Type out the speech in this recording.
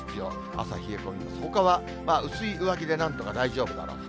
朝、冷え込み、ほかは薄い上着でなんとか大丈夫だろうと。